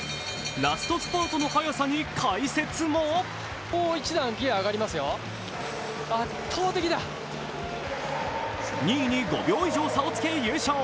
ラストスパートの速さに解説も２位に５秒以上差をつけ優勝。